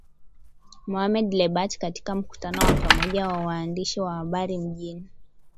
Mohamed Lebatt katika mkutano wa pamoja na waandishi wa habari mjini